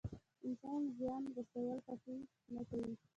انسان زيان رسولو خوښي نه کوي.